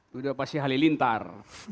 sudah pasti halilintar